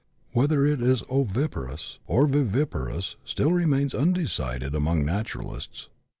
Whether it is oviparous or vivi parous still remains undecided among naturalists.